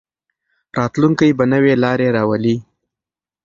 راتلونکی به نوې لارې راولي.